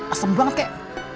asem banget kek